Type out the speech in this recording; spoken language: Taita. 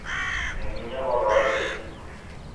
Mnyunya ghow'aw'a zaidi.